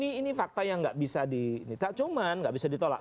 nah ini fakta yang nggak bisa ditolak